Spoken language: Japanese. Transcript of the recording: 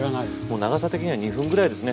長さ的には２分ぐらいですね。